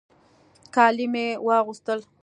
کالي مې واغوستل.